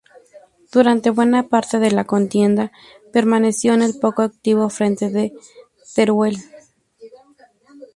Durante buena parte de la contienda permaneció en el poco activo frente de Teruel.